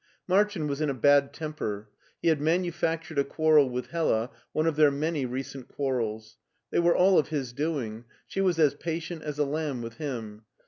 Martin was in a bad temper. He had manufactured a quarrel with Hella, one of their many recent quar rels. They were all of his doing; she was as patient as a lamb with him.